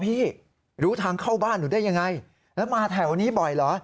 พี่รู้ทางเข้าบ้านหนูได้ยังไงแล้วมาแถวนี้บ่อยเหรอ